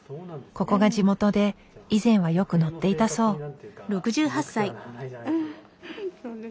ここが地元で以前はよく乗っていたそう。